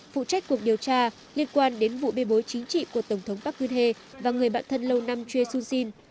phụ trách cuộc điều tra liên quan đến vụ bơi bối chính trị của tổng thống park geun hye và người bạn thân lâu năm choi soon sin